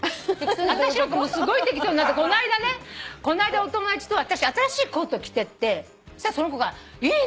私なんかすごい適当になってこの間ねこの間お友達と私新しいコート着てってそしたらその子がいいね